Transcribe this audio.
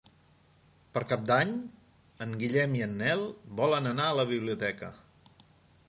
Per Cap d'Any en Guillem i en Nel volen anar a la biblioteca.